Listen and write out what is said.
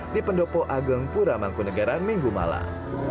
di pendopo ageng puramangkunegara minggu malam